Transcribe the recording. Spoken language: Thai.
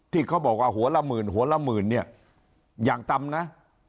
ที่เขาบอกว่าหัวละหมื่นหัวละหมื่นเนี่ยอย่างต่ำนะ